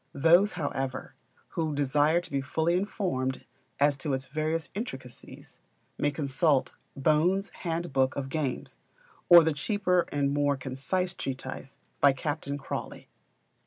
Those, however, who desire to be fully informed as to its various intricacies, may consult "Bohn's Handbook of Games," or the cheaper and more concise treatise by Captain Crawley.